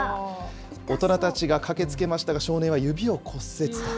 大人たちが駆けつけましたが、少年は指を骨折。